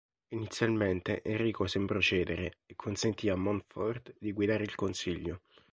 Inizialmente Enrico sembrò cedere e consentì a Montfort di guidare il Consiglio.